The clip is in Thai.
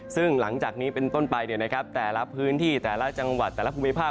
ซึ่งหลังจากนี้เป็นต้นไปแต่ละพื้นที่แต่ละจังหวัดแต่ละภูมิภาค